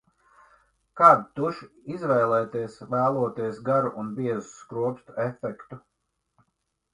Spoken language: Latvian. Kādu tušu izvēlēties vēloties garu un biezu skropstu efektu?